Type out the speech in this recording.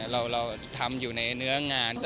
เราทำอยู่ในเนื้องาน